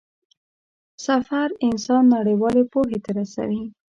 سفر انسان نړيوالې پوهې ته رسوي.